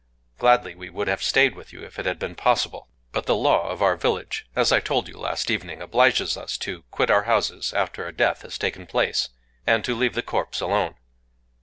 Gladly we would have stayed with you, if it had been possible. But the law of our village, as I told you last evening, obliges us to quit our houses after a death has taken place, and to leave the corpse alone.